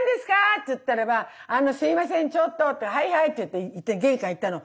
っつったらば「あのすいませんちょっと」って「はいはい」って言って玄関行ったの。